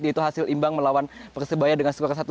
yaitu hasil imbang melawan persibaya dengan skor satu satu